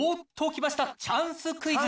チャンスクイズ。